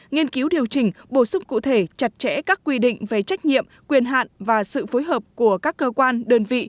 nghiên cứu điều chỉnh bổ sung cụ thể chặt chẽ các quy định về trách nhiệm quyền hạn và sự phối hợp của các cơ quan đơn vị